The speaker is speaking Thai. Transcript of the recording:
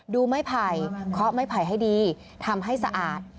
ดูไม้ไผ่เคาะไม้ไผ่ให้ดีทำให้สะอาด